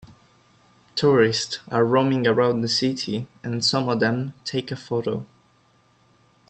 Tourist are roaming around the city and some of them take a photo